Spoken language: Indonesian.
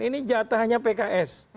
ini jatahnya pks